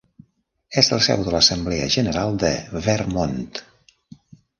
És la seu de l'Assemblea General de Vermont.